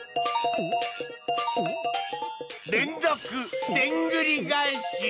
連続でんぐり返し。